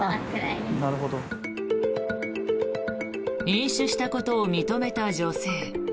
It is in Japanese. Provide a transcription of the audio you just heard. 飲酒したことを認めた女性。